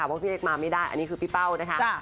ว่าพี่เอ็กมาไม่ได้อันนี้คือพี่เป้านะคะ